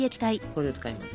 これを使います！